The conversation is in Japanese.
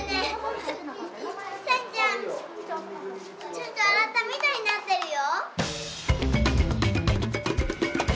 ちょっと洗ったみたいになってるよ。